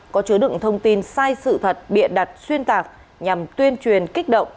có chứa đựng thông tin sai sự thật bịa đặt xuyên tạc nhằm tuyên truyền kích động